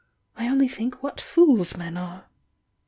— I only think what fools men are!"